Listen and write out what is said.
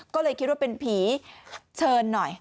ก็เลยคิดว่าเป็นผีเชิญหน่อย